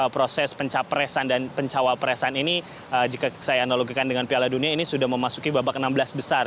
proses pencapresan dan pencawa presan ini jika saya analogikan dengan piala dunia ini sudah memasuki babak enam belas besar